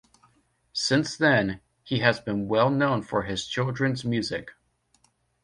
Since then, he has been well known for his children's music.